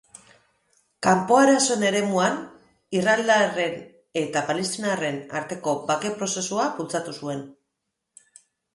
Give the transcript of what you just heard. Kanpo-arazoen eremuan, israeldarren eta palestinarren arteko bake-prozesua bultzatu zuen.